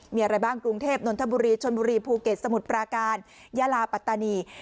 มีอะไรบ้างกรุงเทพนนทบุรีชนบุรีภูเก็ตสมุทรปราการยาลาปัตตานี